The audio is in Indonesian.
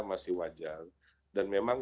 masih wajar dan memang